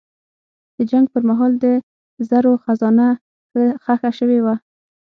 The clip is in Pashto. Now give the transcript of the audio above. د جنګ پر مهال د زرو خزانه ښخه شوې وه.